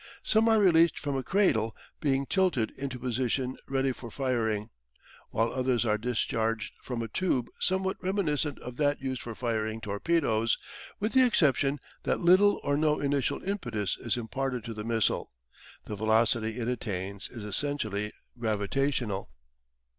Some are released from a cradle, being tilted into position ready for firing, while others are discharged from a tube somewhat reminiscent of that used for firing torpedoes, with the exception that little or no initial impetus is imparted to the missile; the velocity it attains is essentially gravitational.